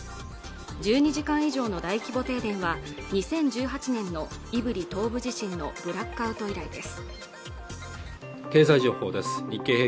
１２時間以上の大規模停電は２０１８年の胆振東部地震のブラックアウト以来です